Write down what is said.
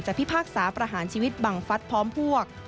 พิพากษาประหารชีวิตบังฟัฐพร้อมพวก